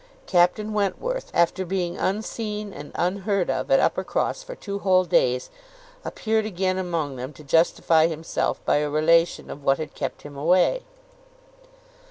Captain Wentworth, after being unseen and unheard of at Uppercross for two whole days, appeared again among them to justify himself by a relation of what had kept him away.